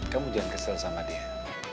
kamu jangan kesel sama dia